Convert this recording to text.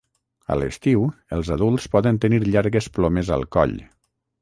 A l'estiu, els adults poden tenir llargues plomes al coll.